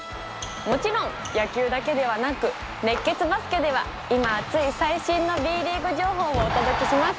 もちろん野球だけではなく「熱血バスケ」では今熱い最新のＢ．ＬＥＡＧＵＥ情報をお届けします。